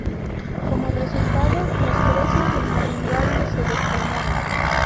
Como resultado, los precios inmobiliarios se desplomaron.